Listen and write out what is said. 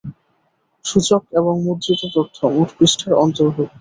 সূচক এবং মুদ্রিত তথ্য, মোট পৃষ্ঠার অন্তর্ভুক্ত।